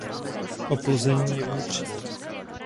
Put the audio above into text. Oplození je vnitřní.